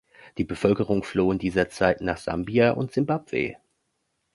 Die Bevölkerung floh in dieser Zeit nach Sambia und Simbabwe.